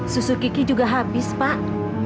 susu kiki juga habis pak